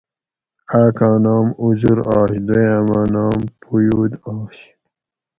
آکاں نام اُزر آش دویاۤماں نام پویود آش